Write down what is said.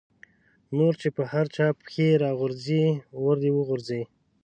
نور چې په هر چا پېښې را غورځي ور دې وغورځي.